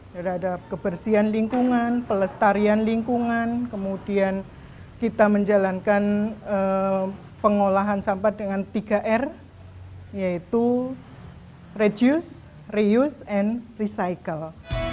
terhadap kebersihan lingkungan pelestarian lingkungan kemudian kita menjalankan pengolahan sampah dengan tiga r yaitu reuse and recycle